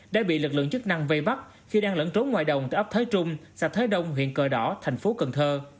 đã bị lực lượng chức năng vây bắt khi đang lẫn trốn ngoài đồng tại ấp thái trung xã thái đông huyện cờ đỏ thành phố cần thơ